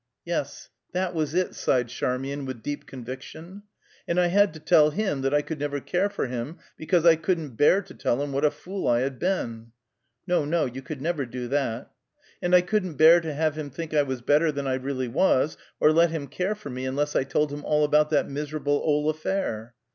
"Yes, that was it," sighed Charmian, with deep conviction. "And I had to tell him that I could never care for him, because I couldn't bear to tell him what a fool I had been." "No, no; you never could do that!" "And I couldn't bear to have him think I was better than I really was, or let him care for me unless I told him all about that miserable old affair."